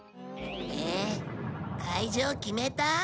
ええ会場決めた？